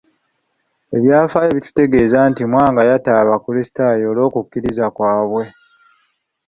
Ebyafaayo bitutegeeza nti Mwanga yatta Abakristaayo olw'okukkiriza kwabwe.